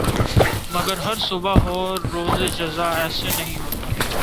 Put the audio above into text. مگر ہر صبح ہو روز جزا ایسے نہیں ہوتا